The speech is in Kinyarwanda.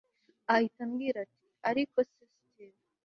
ahita ambwira ati ariko se steve